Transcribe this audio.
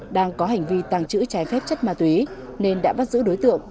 đang có hành vi tăng chữ trái phép chất ma túy nên đã bắt giữ đối tượng